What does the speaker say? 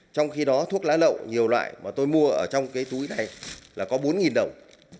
trong khi đó thuốc lá lậu nhiều loại mà tôi mua ở trong cái túi này là có bốn đồng